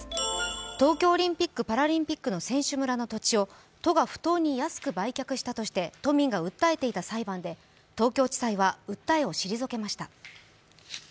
東京オリンピック・パラリンピックの選手村の土地を都が不当に安く売却したとして都民が訴えていた裁判で東京地裁は訴えを退けました。